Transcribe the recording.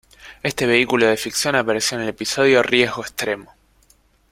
Este vehículo de ficción apareció en el episodio "Riesgo extremo".